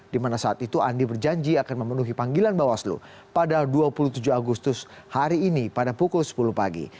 di mana saat itu andi berjanji akan memenuhi panggilan bawaslu pada dua puluh tujuh agustus hari ini pada pukul sepuluh pagi